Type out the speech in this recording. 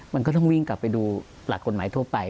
มันก็ต้องวิ่งกลับไปดูหลักกฎหมายทั่วไป